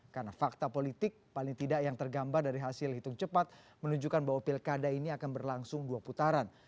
karena fakta politik paling tidak yang tergambar dari hasil hitung cepat menunjukkan bahwa pilkada ini akan berlangsung dua putaran